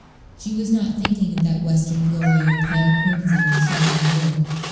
She was not thinking of that western glory of pale crimson and shining gold.